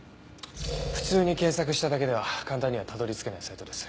普通に検索しただけでは簡単にはたどり着けないサイトです。